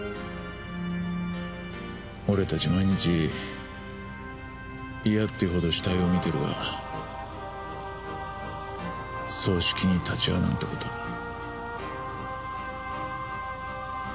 俺たち毎日嫌っていうほど死体を見てるが葬式に立ち会うなんて事めったにないな。